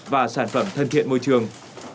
và sản phẩm thân thiện môi trường